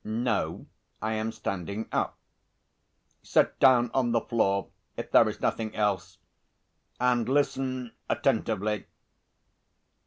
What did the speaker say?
"No, I am standing up." "Sit down on the floor if there is nothing else, and listen attentively."